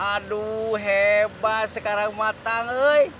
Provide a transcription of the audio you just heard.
aduh hebat sekarang kamu aku